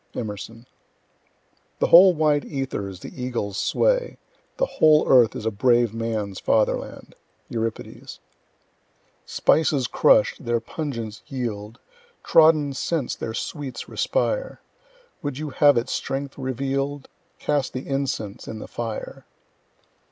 Emerson. The whole wide ether is the eagle's sway: The whole earth is a brave man's fatherland. Euripides. Spices crush'd, their pungence yield, Trodden scents their sweets respire; Would you have its strength reveal'd? Cast the incense in the fire.